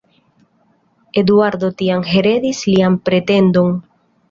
Eduardo tiam heredis lian pretendon.